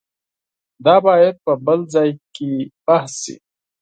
دا باید په بل ځای کې بحث شي.